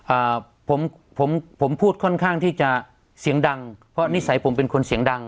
อ่าผมผมพูดค่อนข้างที่จะเสียงดังเพราะนิสัยผมเป็นคนเสียงดัง